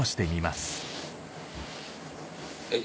はい。